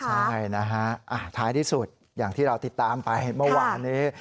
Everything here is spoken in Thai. ใช่นะฮะท้ายที่สุดอย่างที่เราติดตามไปเมื่อวานนี้